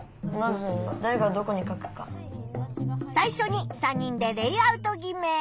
最初に３人でレイアウト決め。